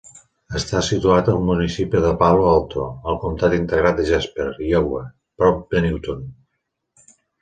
Està situat al municipi de Palo Alto, al comtat integrat de Jasper, Iowa, prop de Newton.